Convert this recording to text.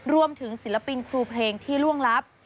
รวมถึงศิลปินครูเพลงที่ล่วงลับ